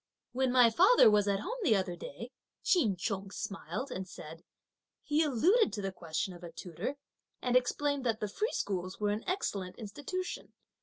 "When my father was at home the other day," Ch'in Chung smiled and said, "he alluded to the question of a tutor, and explained that the free schools were an excellent institution.